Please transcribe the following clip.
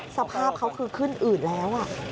สภาพเขาคือขึ้นอืดแล้ว